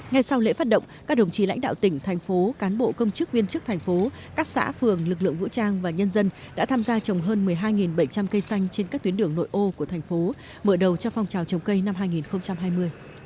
ngay sau lễ phát động các đồng chí lãnh đạo tỉnh thành phố cán bộ công chức viên chức thành phố các xã phường lực lượng vũ trang và nhân dân đã tham gia trồng hơn một mươi hai bảy trăm linh cây xanh trên các tuyến đường nội ô của thành phố mở đầu cho phong trào trồng cây năm hai nghìn hai mươi